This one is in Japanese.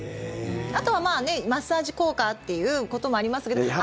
あとはマッサージ効果っていうこともありますけど。